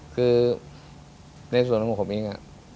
คือในส่วนของผมเอง